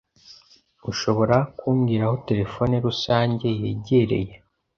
Ushobora kumbwira aho terefone rusange yegereye?